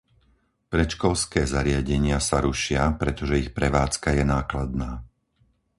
Predškolské zariadenia sa rušia, pretože ich prevádzka je nákladná.